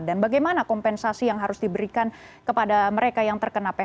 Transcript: dan bagaimana kompensasi yang harus diberikan kepada mereka yang terkena phk pak